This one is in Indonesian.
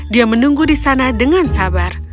dia menunggu di sana dengan sabar